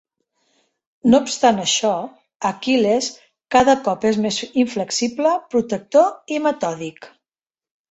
No obstant això, Aquil·les cada cop és més inflexible, protector i metòdic.